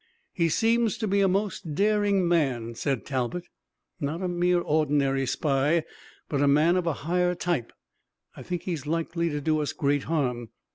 "He seems to be a most daring man," said Talbot; "not a mere ordinary spy, but a man of a higher type. I think he's likely to do us great harm.